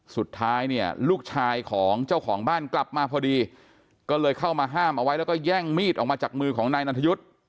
สุดท้ายเนี่ยลูกชายของเจ้าของบ้านกลับมาพอดีก็เลยเข้ามาห้ามเอาไว้แล้วก็แย่งมีดออกมาจากมือของนายนันทยุทธ์